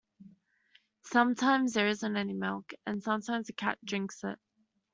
Sometimes there isn't any milk, and sometimes the cat drinks it.